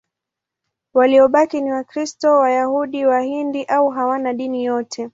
Waliobaki ni Wakristo, Wayahudi, Wahindu au hawana dini yote.